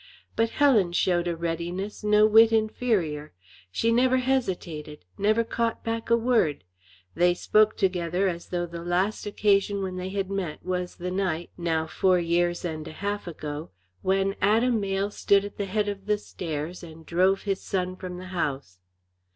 But Helen showed a readiness no whit inferior; she never hesitated, never caught a word back. They spoke together as though the last occasion when they had met was the night, now four years and a half ago, when Adam Mayle stood at the head of the stairs and drove his son from the house.